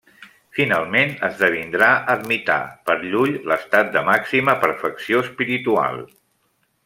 Finalment esdevindrà ermità, per Llull l'estat de màxima perfecció espiritual.